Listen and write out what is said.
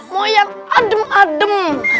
mau yang adem adem